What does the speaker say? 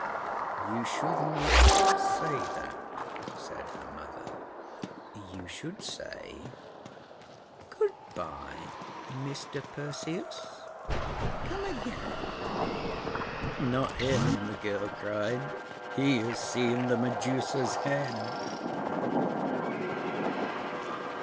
"You should not say that," said her mother. "You should say, 'Goodbye, Mr. Perseus. Come again.'" "Not him!" the girl cried. "He has seen the Medusa's head!"